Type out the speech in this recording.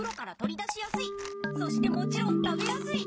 そしてもちろん食べやすい！